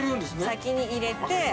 先に入れて。